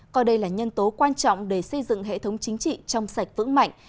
coi đây là nhân tố quan trọng để xây dựng hệ thống chính trị trong sạch vững mạnh